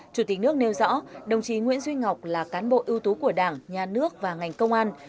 chủ tịch nước nêu rõ đồng chí nguyễn duy ngọc là cán bộ ưu tú của đảng nhà nước và ngành công an